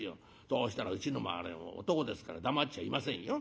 そうしたらうちのもあれ男ですから黙っちゃいませんよ。